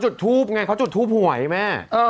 จุดทูปไงเกฮะจุดทูปหวยไหม